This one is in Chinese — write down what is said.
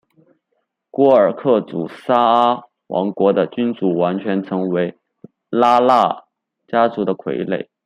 廓尔喀族沙阿王朝的君主完全成为拉纳家族的傀儡。